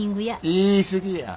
言い過ぎや。